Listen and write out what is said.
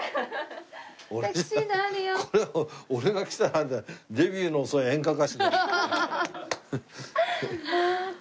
これは俺が着たらデビューの遅い演歌歌手だよ。